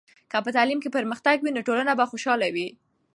که په تعلیم کې پرمختګ وي، نو ټولنه به خوشحاله وي.